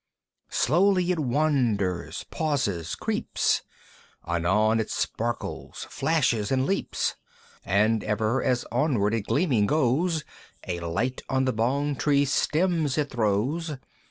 Slowly it wanders, pauses, creeps, Anon it sparkles, flashes and leaps; And ever as onward it gleaming goes A light on the Bong tree stems it throws.